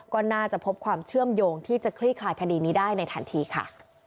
ก็น่าจะพบความเชื่อมโยงที่จะคลี่คลายคดีนี้ได้ในทันทีค่ะ